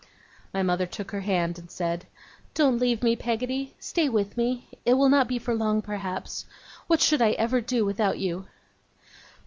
My mother took her hand, and said: 'Don't leave me, Peggotty. Stay with me. It will not be for long, perhaps. What should I ever do without you!